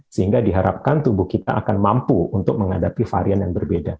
sehingga diharapkan tubuh kita akan mampu untuk menghadapi varian yang berbeda